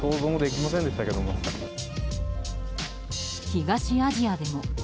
東アジアでも。